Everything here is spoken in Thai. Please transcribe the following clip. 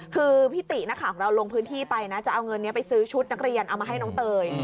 คือพี่ตินักข่าวของเราลงพื้นที่ไปนะจะเอาเงินนี้ไปซื้อชุดนักเรียนเอามาให้น้องเตย